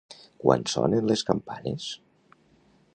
Quan sonen les campanes?